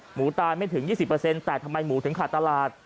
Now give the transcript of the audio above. ตายไม่ถึง๒๐แต่ทำไมหมูถึงขาดตลาด